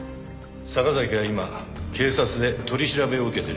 坂崎は今警察で取り調べを受けてるんですよ。